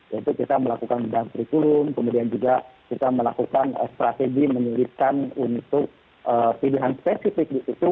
yaitu kita melakukan bidang kurikulum kemudian juga kita melakukan strategi menyulitkan untuk pilihan spesifik di situ